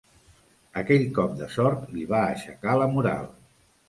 Aquell cop de sort li va aixecar la moral.